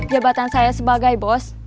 jabatan saya sebagai bos